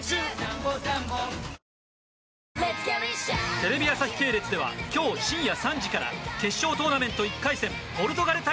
テレビ朝日系列では今日深夜３時から決勝トーナメント１回戦ポルトガル対